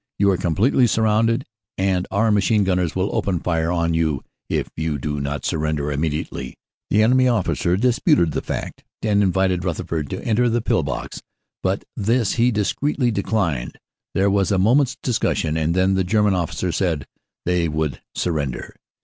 "You are completely surrounded and our machine gunners will open fire on you if you do not surrender immediately." The enemy 128 CANADA S HUNDRED DAYS officer disputed the fact and invited Rutherford to enter the pill box, but this he discreetly declined. There was a moment s discussion and then the German officer said they would surrender.